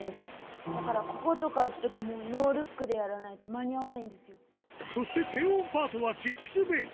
だからこことか打つとき、もうノールックでやらないと間に合わなそして低音パートはシックスベース。